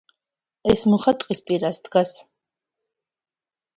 ეს მუხა ტყის პირას დგას.